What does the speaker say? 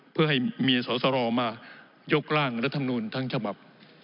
เพื่อให้มีสอสรมายกร่างรัฐมนูลทั้งฉบับ